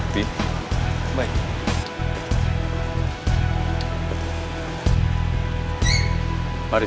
tidak akan mau tadi